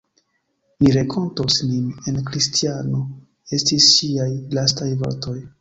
Ni renkontos nin en Kristiano, estis ŝiaj lastaj vortoj.